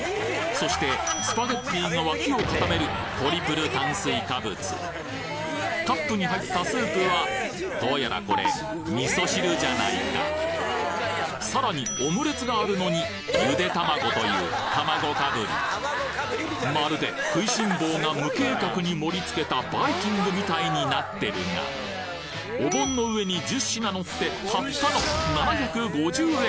そしてスパゲッティが脇を固めるカップに入ったスープはどうやらこれ味噌汁じゃないかさらにオムレツがあるのにゆで卵というまるで食いしん坊が無計画に盛り付けたバイキングみたいになってるがお盆の上に１０品のってたったの７５０円！